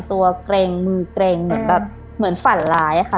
เกร็งมือเกร็งเหมือนแบบเหมือนฝันร้ายอะค่ะ